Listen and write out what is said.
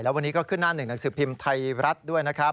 วันนี้ก็ขึ้นหน้าหนึ่งหนังสือพิมพ์ไทยรัฐด้วยนะครับ